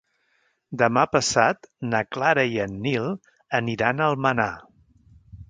Demà passat na Clara i en Nil aniran a Almenar.